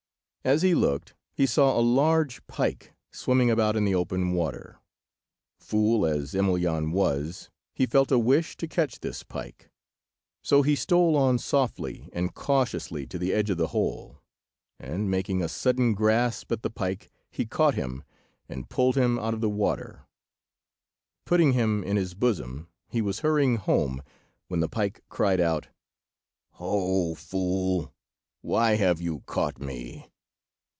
As he looked he saw a large pike swimming about in the open water. Fool as Emelyan was he felt a wish to catch this pike. So he stole on softly and cautiously to the edge of the hole, and, making a sudden grasp at the pike, he caught him, and pulled him out of the water. Putting him in his bosom, he was hurrying home, when the pike cried out— "Ho, fool! why have you caught me?"